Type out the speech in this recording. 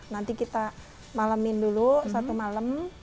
nanti kita malemin dulu satu malem